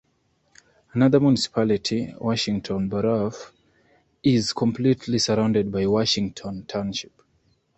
Another municipality, Washington Borough, is completely surrounded by Washington Township.